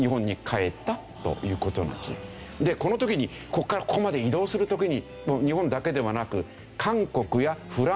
この時にここからここまで移動する時に日本だけではなく。